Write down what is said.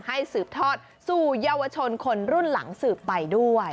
สืบทอดสู่เยาวชนคนรุ่นหลังสืบไปด้วย